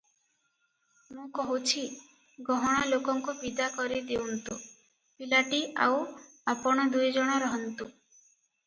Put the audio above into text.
ମୁଁ କହୁଛି, ଗହଣ ଲୋକଙ୍କୁ ବିଦା କରି ଦେଉନ୍ତୁ, ପିଲାଟି ଆଉ ଆପଣ ଦୁଇଜଣ ରହନ୍ତୁ ।